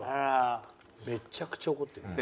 めちゃくちゃ怒ってる。